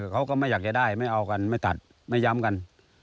เขาก็ไม่อยากจะได้ไม่เอากันไม่ตัดไม่ย้ำกัน